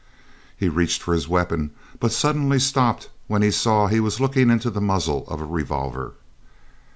He reached for his weapon, but suddenly stopped when he saw he was looking into the muzzle of a revolver.